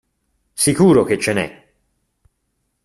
Sicuro che ce n'è!